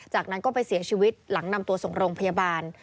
จากนั้นก็ไปเสียชีวิตหลังนำตัวส่งโรงพยาบาล